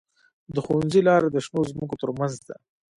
د ښوونځي لاره د شنو ځمکو ترمنځ وه